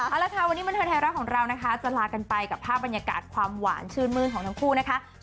เอาละค่ะวันนี้บรรเทิงไทยรัฐของเรานะคะจะลากันไปกับภาพบรรยากาศความหวานชื่นมื้นของทั้งคู่นะคะ